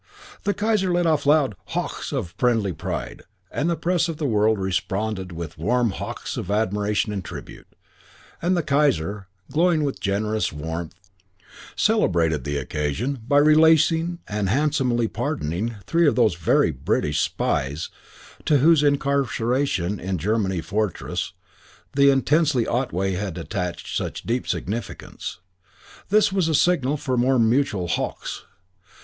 The Kaiser let off loud "Hochs!" of friendly pride, and the Press of the world responded with warm "Hochs" of admiration and tribute; and the Kaiser, glowing with generous warmth, celebrated the occasion by releasing and handsomely pardoning three of those very British "spies" to whose incarceration in German fortresses (Sabre recalled) the intense Otway had attached such deep significance. This was a signal for more mutual "Hochs."